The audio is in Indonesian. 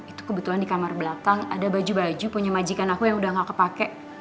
itu kebetulan di kamar belakang ada baju baju punya majikan aku yang udah gak kepake